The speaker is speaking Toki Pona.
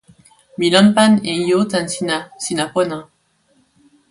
mi lanpan e ijo tan sina. sina pona!